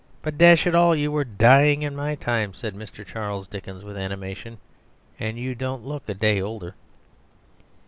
"But, dash it all, you were dying in my time," said Mr. Charles Dickens with animation; "and you don't look a day older."